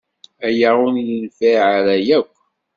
Aya ur yenfiɛ ara akk.